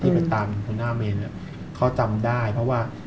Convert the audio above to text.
ไปตามหัวหน้าเมนเนี่ยเขาจำได้เพราะว่า